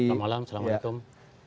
selamat malam assalamualaikum